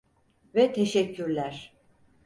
Ve teşekkürler.